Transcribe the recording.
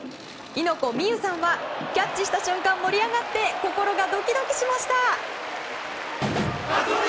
猪子心結さんはキャッチした瞬間盛り上がって心がドキドキしました！